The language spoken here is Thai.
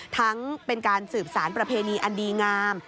เป็นการสืบสารประเพณีอันดีงาม